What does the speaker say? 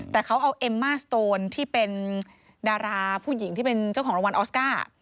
แต่เขาเอาเอ็มมาสโตนที่เป็นดาราผู้หญิงที่เป็นเจ้าของรางวัลออสการ์